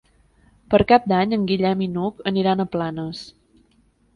Per Cap d'Any en Guillem i n'Hug aniran a Planes.